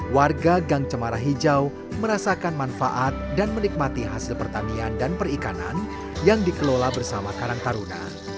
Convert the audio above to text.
warga gang cemara hijau merasakan manfaat dan menikmati hasil pertanian dan perikanan yang dikelola bersama karang taruna